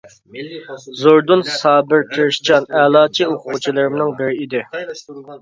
زوردۇن سابىر تىرىشچان، ئەلاچى ئوقۇغۇچىلىرىمنىڭ بىرى ئىدى.